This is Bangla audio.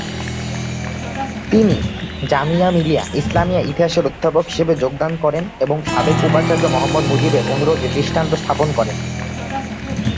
তিনি জামিয়া মিলিয়া ইসলামিয়ায় ইতিহাসের অধ্যাপক হিসেবে যোগদান করেন এবং সাবেক উপাচার্য মোহাম্মদ মুজিবের অনুরোধে দৃষ্টান্ত স্থাপন করেন।